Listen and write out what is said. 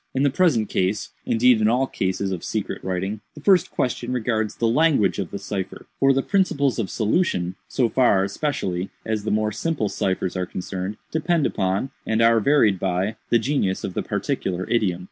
"In the present case—indeed in all cases of secret writing—the first question regards the language of the cipher; for the principles of solution, so far, especially, as the more simple ciphers are concerned, depend upon, and are varied by, the genius of the particular idiom.